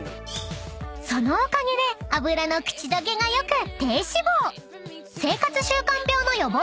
［そのおかげで脂の口溶けが良く］